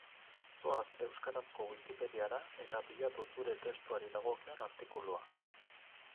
Zoaz euskarazko Wikipediara eta bilatu zure testuari dagokion artikulua.